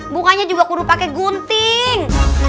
bukannya juga kudu pake gunting